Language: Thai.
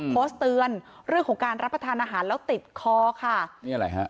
โพสต์เตือนเรื่องของการรับประทานอาหารแล้วติดคอค่ะนี่อะไรฮะ